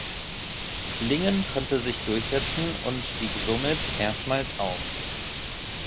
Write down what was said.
Lingen konnte sich durchsetzen und stieg somit erstmals auf.